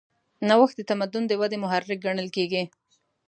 نوښت د تمدن د ودې محرک ګڼل کېږي.